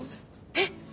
えっ！